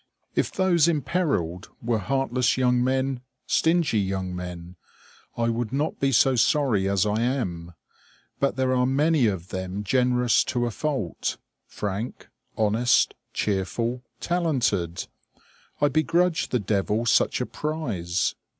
If those imperilled were heartless young men, stingy young men, I would not be so sorry as I am; but there are many of them generous to a fault, frank, honest, cheerful, talented. I begrudge the devil such a prize.